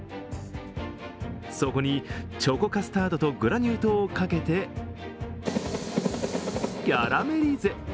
そこにチョコカスタードとグラニュー糖をかけてキャラメリゼ！